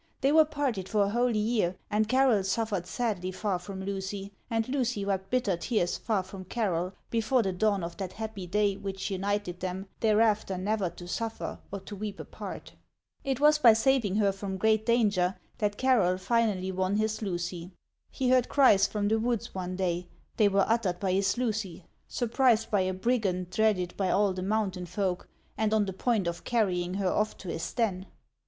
They were parted for a whole year ; and Carroll suffered sadly far from Lucy, and Lucy wept bitter tears far from Carroll, before the dawn of that happy day which united them, thereafter never to suffer or to weep apart. It was by saving her from great danger that Carroll finally won his Lucy. He heard cries from the woods one day ; they were uttered by his Lucy, surprised by a brigand dreaded by all the mountain folk, and on the point of carrying her off to his den.